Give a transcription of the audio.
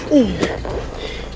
aku tahu caranya